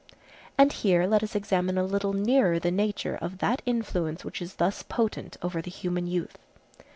And here let us examine a little nearer the nature of that influence which is thus potent over the human youth.